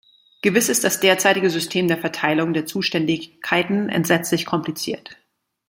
Gewiss ist das derzeitige System der Verteilung der Zuständigkeiten entsetzlich kompliziert.